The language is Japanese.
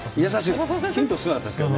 ヒント少なかったですけどね。